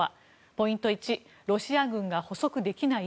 ポイント１ロシア軍が捕捉できない？